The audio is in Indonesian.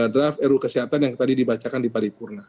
draft ru kesehatan yang tadi dibacakan di paripurna